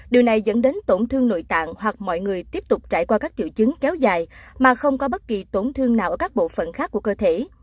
điều này dẫn đến tổn thương nội tạng hoặc mọi người tiếp tục trải qua các triệu chứng kéo dài mà không có bất kỳ tổn thương nào ở các bộ phận khác của cơ thể